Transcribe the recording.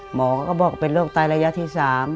หมอก็บอกเป็นโรคไตระยะที่๓